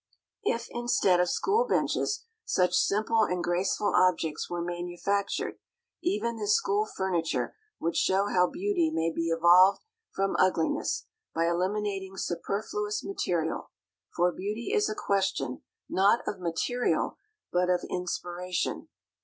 If, instead of school benches, such simple and graceful objects were manufactured, even this school furniture would show how beauty may be evolved from ugliness by eliminating superfluous material; for beauty is a question, not of material, but of inspiration.